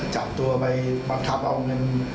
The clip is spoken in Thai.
จับตัวไปบังคับเอาเงิน